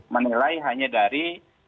menilai hanya dari